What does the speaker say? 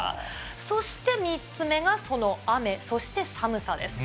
そして、３つ目がその雨、そして寒さです。